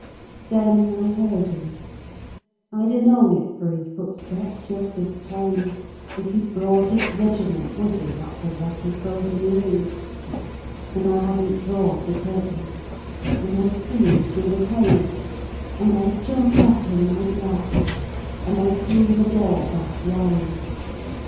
Then I heard him. I'd a known it for his footstep just as plain If he'd brought his regiment with him up the rutty frozen lane. And I hadn't drawed the curtains, and I see him through the pane ; And I jumped up in my blacks and I threw the door back wide.